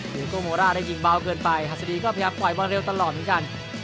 เฮียโต้โมร่าได้ยิงเบาเกินไปฮัศดีก็แพร่ปล่อยบอลเร็วตลอดเหมือนกัน